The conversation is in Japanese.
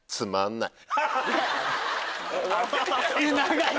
長い！